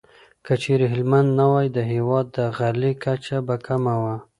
که چيرې هلمند نه وای، د هېواد د غلې کچه به کمه وه.